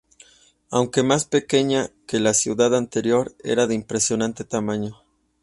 Aunque más pequeña que la ciudad anterior, era de impresionante tamaño.